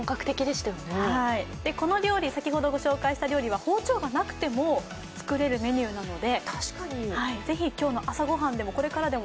先ほどご紹介した料理は包丁がなくても作れるメニューなのでぜひ今日の朝御飯でも、これからでも